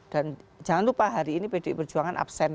dan jangan lupa hari ini pdb perjuangan absen